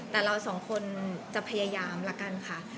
แต่เราสองคนจะพยายามละกันค่ะ